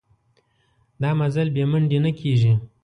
دا مزل بې منډې نه کېږي.